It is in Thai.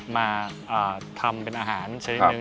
มาทำเป็นอาหารเฉลี่ยนหนึ่ง